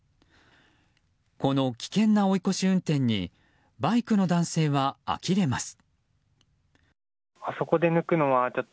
この危険な追い越し運転にバイクの男性はあきれます。